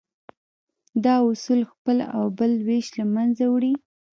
دا اصول خپل او بل وېش له منځه وړي.